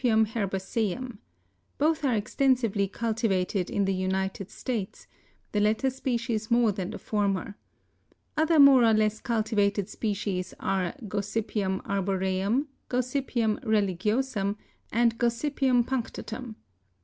herbaceum. Both are extensively cultivated in the United States, the latter species more than the former. Other more or less cultivated species are G. arboreum, G. religiosum and G. punctatum.